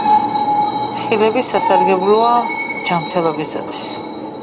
ხილები სასარგებლოა ჯამთველობისთვის